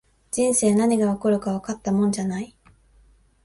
人生、何が起こるかわかったもんじゃない